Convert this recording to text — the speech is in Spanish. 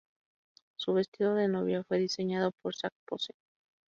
Su vestido de novia fue diseñado por Zac Posen.